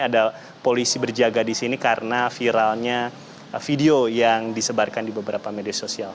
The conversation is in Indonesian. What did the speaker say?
ada polisi berjaga di sini karena viralnya video yang disebarkan di beberapa media sosial